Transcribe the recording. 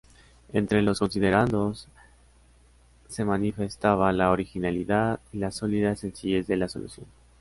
Entre los considerandos se manifestaba la originalidad y la sólida sencillez de la solución.